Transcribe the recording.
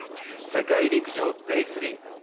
世界陸上デー３。